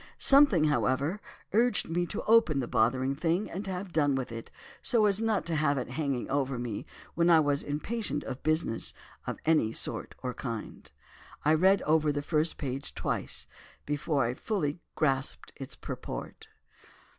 Something, however, urged me to open the bothering thing, and have done with it, so as not to have it hanging over me when I was impatient of business of any sort or kind. "I read over the first page twice before I fully grasped its purport.